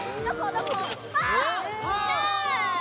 どこ？